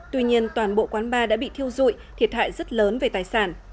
tuy nhiên toàn bộ quán bar đã bị thiêu dụi thiệt hại rất lớn về tài sản